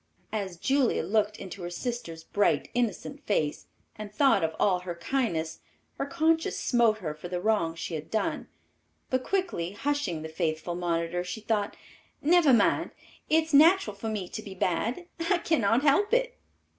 As Julia looked into her sister's bright, innocent face and thought of all her kindness, her conscience smote her for the wrong she had done, but quickly hushing the faithful monitor, she thought, "Never mind; it is natural for me to be bad. I cannot help it."